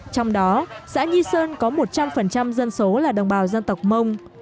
trong đó xã nhi sơn có một trăm linh dân số là đồng bào dân tộc mông